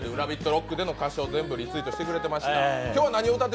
ＲＯＣＫでの歌唱を全部リツイートしてくれていました。